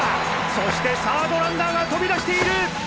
そしてサードランナーが飛び出している！